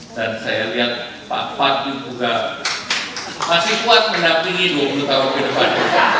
dan saya lihat pak fad juga masih kuat mendampingi dua puluh tahun